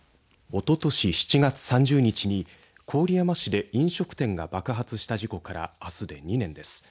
おととし７月３０日に郡山市で飲食店が爆発した事故からあすで２年です。